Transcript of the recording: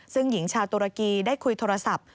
ซึ่งหญิงชาวตุรกีได้คุยโทรศัพท์